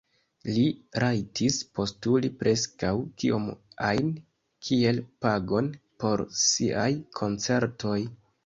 Li rajtis postuli preskaŭ kiom ajn kiel pagon por siaj koncertoj.